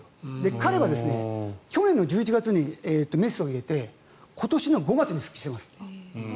彼は去年１１月にメスを入れて今年の５月に復帰してます。